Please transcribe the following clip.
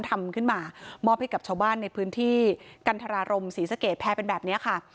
ทำขึ้นมามอบให้กับชาวบ้านในพื้นที่กันทรารมศรีสะเกดแพร่เป็นแบบนี้ค่ะ